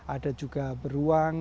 ada juga beruang